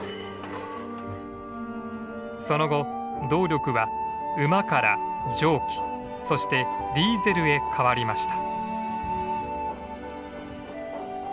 その後動力は馬から蒸気そしてディーゼルへ変わりました。